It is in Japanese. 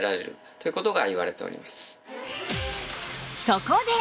そこで